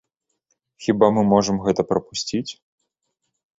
Хіба мы можам гэта прапусціць?